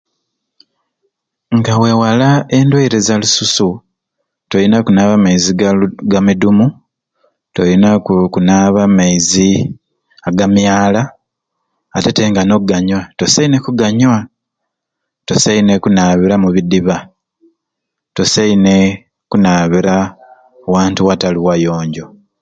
Nga wewale endwaire za lususu tolina kunaaba maizi ga ludu ga midumu tolina kunaaba maizi ga myala atete n'okuganywa tosaine kuganywa tosaine kunaabira mu bidiba tosaine kunaabira wantu watali wayonjo.